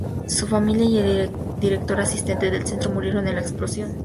Su familia y el director Asistente del centro murieron en la explosión.